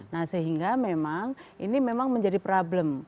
nah sehingga memang ini memang menjadi problem